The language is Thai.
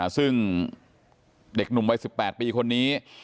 ซึ่งเด็กหนุ่มวัย๑๘ปีคนนี้